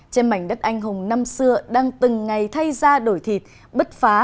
trên mảnh đất anh hùng năm xưa đang từng ngày thay ra đổi thịt bứt phá